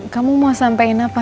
kamu mau sampaikan apa